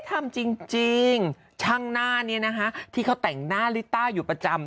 ทำจริงช่างหน้านี้นะคะที่เขาแต่งหน้าลิต้าอยู่ประจำ